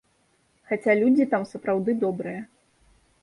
Хаця людзі там сапраўды добрыя.